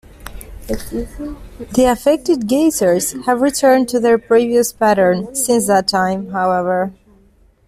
The affected geysers have returned to their previous pattern since that time, however.